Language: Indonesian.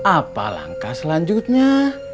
apa langkah selanjutnya